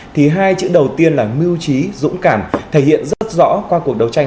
thì hai chữ đầu tiên là mưu trí dũng cảm thể hiện rất rõ qua cuộc đấu tranh